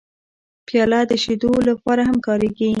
پیاله د شیدو لپاره هم کارېږي.